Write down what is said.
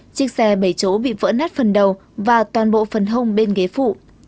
chiếc xe bảy chỗ bị vỡ nát phần đầu và toàn bộ phần hông bên ghế phụ